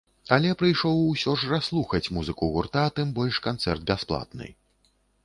Але прыйшоў усё ж расслухаць музыку гурта, тым больш канцэрт бясплатны.